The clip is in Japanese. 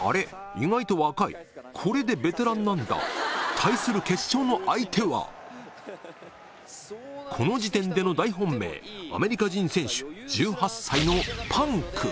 意外と若いこれでベテランなんだ対する決勝の相手はこの時点での大本命アメリカ人選手